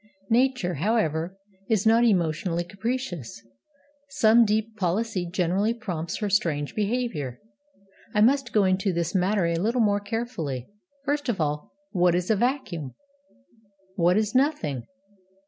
Nature, however, is not usually capricious. Some deep policy generally prompts her strange behaviour. I must go into this matter a little more carefully. First of all, what is a vacuum? What is Nothing?